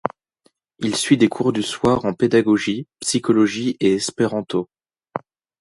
Il suit des cours du soir en pédagogie, psychologie et espéranto.